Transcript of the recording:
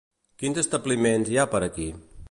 Quins establiments hi ha per aquí?